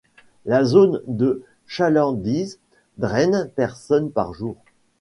La zone de chalandise draine personnes par jour.